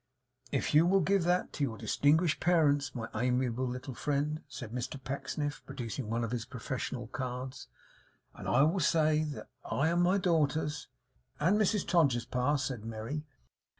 'If you will give that to your distinguished parents, my amiable little friend,' said Mr Pecksniff, producing one of his professional cards, 'and will say that I and my daughters ' 'And Mrs Todgers, pa,' said Merry.